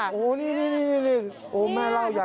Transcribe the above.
โอ้โฮนี่แม่เล่าใหญ่แล้ว